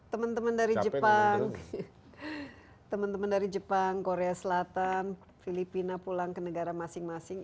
teman teman dari jepang korea selatan filipina pulang ke negara masing masing